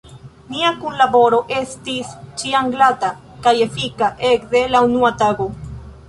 Nia kunlaboro estis ĉiam glata kaj efika, ekde la unua tago.